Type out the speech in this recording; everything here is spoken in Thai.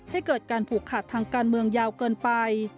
ให้เกิดการผูกขาดทางการเมืองยาวเกินไป